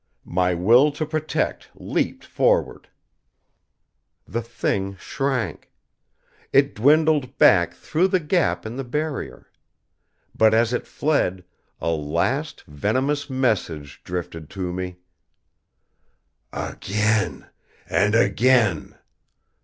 My will to protect leaped forward. The Thing shrank. It dwindled back through the gap in the Barrier. But as It fled, a last venomous message drifted to me: "Again! And again!